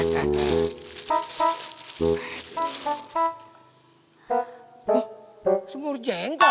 wah semur jengkol